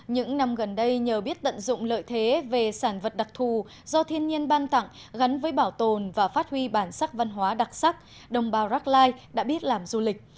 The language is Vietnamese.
những năm gần đây nhờ biết tận dụng lợi thế về sản vật đặc thù do thiên nhiên ban tặng gắn với bảo tồn và phát huy bản sắc văn hóa đặc sắc đồng bào rackline đã biết làm du lịch